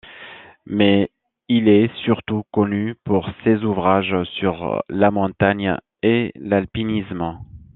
Mais il est surtout connu pour ses ouvrages sur la montagne et l'alpinisme.